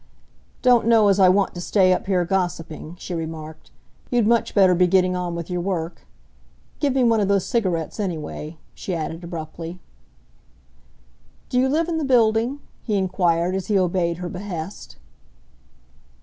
"Don't know as I want to stay up here gossiping," she remarked. "You'd much better be getting on with your work. Give me one of those cigarettes, anyway," she added abruptly. "Do you live in the building?" he enquired, as he obeyed her behest.